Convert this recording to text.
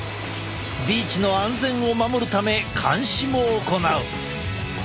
ビーチの安全を守るため監視も行う。